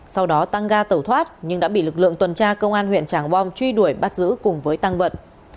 sau đó tăng ga tẩu thoát nhưng đã bị lực lượng tuần tra công an huyện tràng bom truy đuổi bắt giữ cùng với tăng vật